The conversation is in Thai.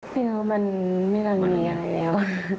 ไม่รู้ไม่เหมือนมีอะไรแล้ว